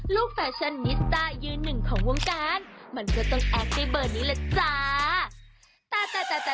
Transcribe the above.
แฟชั่นนิสต้ายืนหนึ่งของวงการมันก็ต้องแอคด้วยเบอร์นี้แหละจ้า